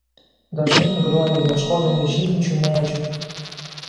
Dažnai migruoja ieškodami žydinčių medžių.